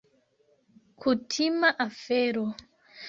Kutima afero.